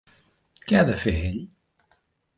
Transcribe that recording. Què ha de fer ell?